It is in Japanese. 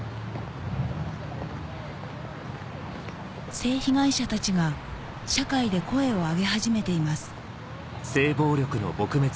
性被害者たちが社会で声を上げ始めています